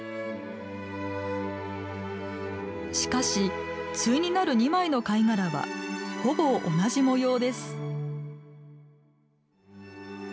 しかし対になる２枚の貝殻はほぼ同じ模様です。